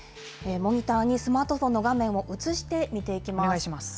モニターにスマートフォンの画面を映してみていきます。